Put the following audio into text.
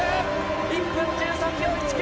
１分１３秒１９。